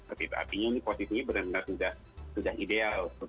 artinya ini posisinya benar benar sudah ideal